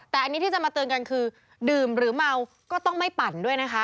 แต่อันนี้ที่จะมาเตือนกันคือดื่มหรือเมาก็ต้องไม่ปั่นด้วยนะคะ